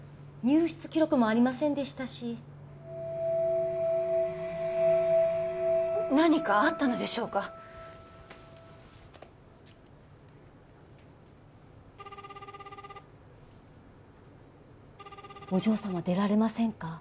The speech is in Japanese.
入室記録もありませんでしたし何かあったのでしょうかお嬢様出られませんか？